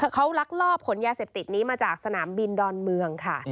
เขาลักลอบขนยาเสพติดนี้มาจากสนามบินดอนเมืองค่ะ